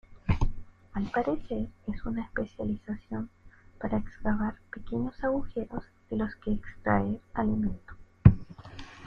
Al parecer es una especialización para excava pequeños agujeros de los que extraer alimento.